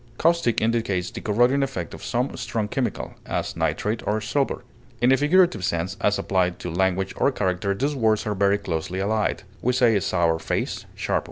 Caustic indicates the corroding effect of some strong chemical, as nitrate of silver. In a figurative sense, as applied to language or character, these words are very closely allied.